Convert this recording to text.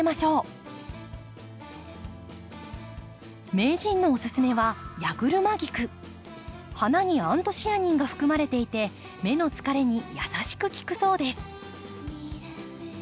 名人のおすすめは花にアントシアニンが含まれていて目の疲れに優しく効くそうです。